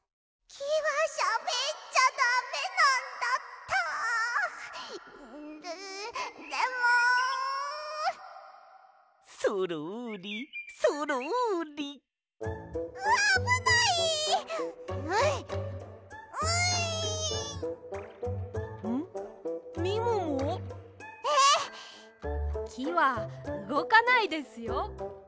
きはうごかないですよ。